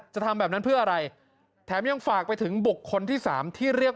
จะทำแบบนั้นเพื่ออะไรแถมยังฝากไปถึงบุคคลที่สามที่เรียก